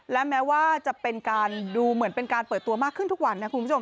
และแม้ว่าจะเป็นการดูเหมือนเป็นการเปิดตัวมากขึ้นทุกวันนะคุณผู้ชม